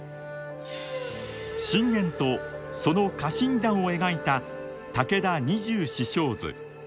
信玄とその家臣団を描いた「武田二十四将図」。